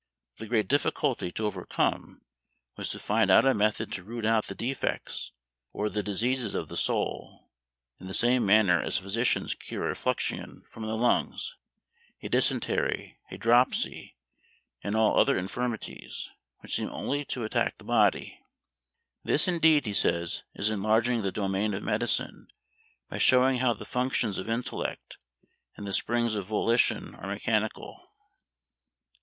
The great difficulty to overcome was to find out a method to root out the defects, or the diseases of the soul, in the same manner as physicians cure a fluxion from the lungs, a dysentery, a dropsy, and all other infirmities, which seem only to attack the body. This indeed, he says, is enlarging the domain of medicine, by showing how the functions of intellect and the springs of volition are mechanical.